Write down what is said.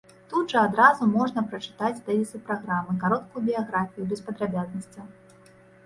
Тут жа адразу можна пачытаць тэзісы праграмы, кароткую біяграфію без падрабязнасцяў.